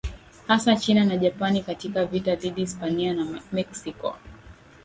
hasa China na Japani Katika vita dhidi Hispania na Meksiko